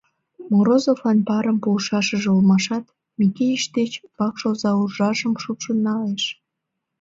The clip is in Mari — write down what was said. Морозовлан парым пуышашыже улмашат, Микеич деч вакш оза уржажым шупшын налеш.